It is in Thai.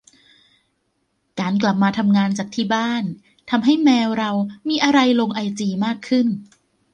การกลับมาทำงานจากที่บ้าน ทำให้แมวเรามีอะไรลงไอจีมากขึ้น